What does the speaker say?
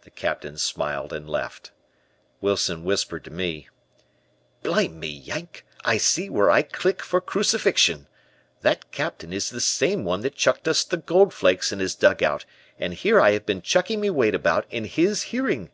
The Captain smiled and left. Wilson whispered to me: "Blime me, Yank, I see where I click for crucifixion. That Captain is the same one that chucked us the Goldflakes in his dugout and here I have been chucking me weight about in his hearing!"